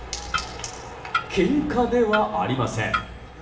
けんかではありません。